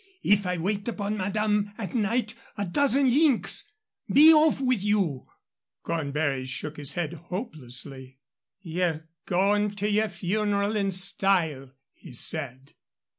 If I wait upon madame at night, a dozen links. Be off with you!" Cornbury shook his head hopelessly. "Ye're going to your funeral in style," he said.